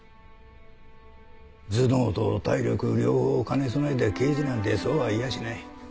頭脳と体力両方兼ね備えた刑事なんてそうはいやしない。